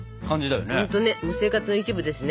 もう生活の一部ですね。